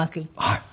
はい。